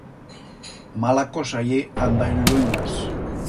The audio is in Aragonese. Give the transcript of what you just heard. Mala cosa ye andar en luengas.